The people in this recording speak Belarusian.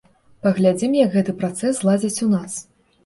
Паглядзім, як гэты працэс зладзяць у нас.